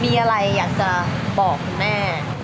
มีอะไรอยากจะบอกคุณแม่